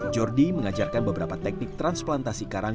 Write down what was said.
jordi mengajarkan beberapa teknik transplantasi karang